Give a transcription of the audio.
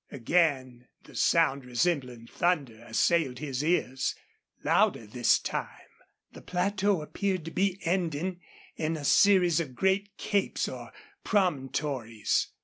Again the sound resembling thunder assailed his ears, louder this time. The plateau appeared to be ending in a series of great capes or promontories.